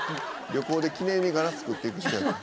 旅行で記念にガラス作っていく人やった。